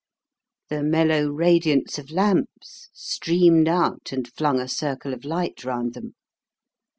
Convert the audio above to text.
The mellow radiance of lamps streamed out and flung a circle of light round them.